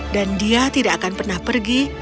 dan dia tidak akan pernah pergi